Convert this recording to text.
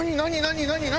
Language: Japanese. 何？